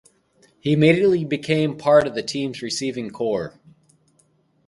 He immediately became part of the team's receiving corps.